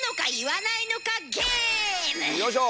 よいしょ！